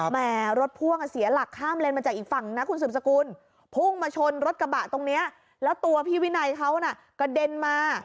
แล้วรถพร่งมาอัดชนท้ายกระบะแล้วพี่ช้างกระเด็นเลยค่ะ